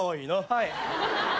はい。